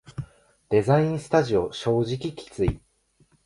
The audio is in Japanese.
デザインスタジオ正直きつい